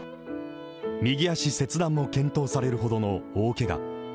右足切断も検討されるほどの大けが。